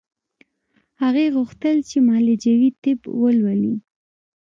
هغې غوښتل چې معالجوي طب ولولي